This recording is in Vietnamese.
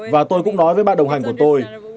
và tôi cũng nói với bạn đồng hành của tôi